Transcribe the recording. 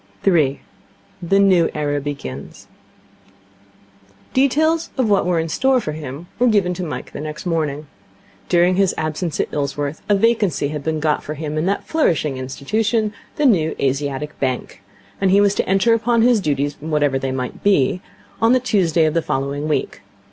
3. The New Era Begins Details of what were in store for him were given to Mike next morning. During his absence at Ilsworth a vacancy had been got for him in that flourishing institution, the New Asiatic Bank; and he was to enter upon his duties, whatever they might be, on the Tuesday of the following week.